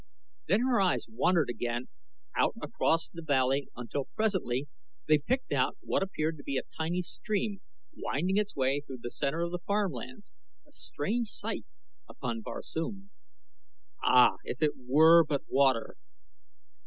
Then her eyes wandered again out across the valley until presently they picked out what appeared to be a tiny stream winding its way through the center of the farm lands a strange sight upon Barsoom. Ah, if it were but water!